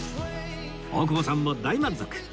大久保さんも大満足